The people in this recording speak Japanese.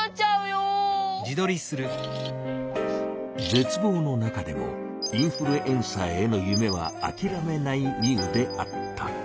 ぜつ望のなかでもインフルエンサーへのゆめはあきらめないミウであった。